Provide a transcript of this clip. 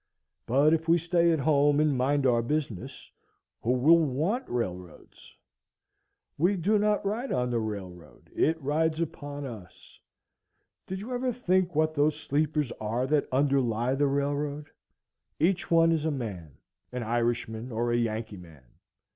But if we stay at home and mind our business, who will want railroads? We do not ride on the railroad; it rides upon us. Did you ever think what those sleepers are that underlie the railroad? Each one is a man, an Irish man, or a Yankee man.